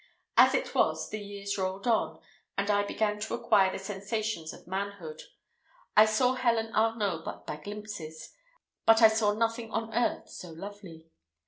As it was, the years rolled on, and I began to acquire the sensations of manhood. I saw Helen Arnault but by glimpses, but I saw nothing on earth so lovely.